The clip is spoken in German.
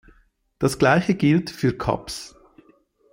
Das Gleiche gilt für Kaps.